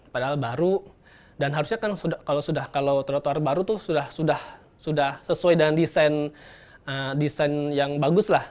padahal baru dan harusnya kan kalau sudah kalau trotoar baru tuh sudah sesuai dengan desain yang bagus lah